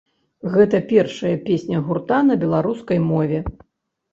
Гэта першая песня гурта на беларускай мове.